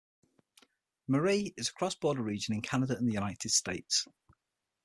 Marie is a cross-border region in Canada and the United States.